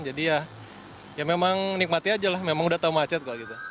jadi ya ya memang nikmati aja lah memang sudah tahu macet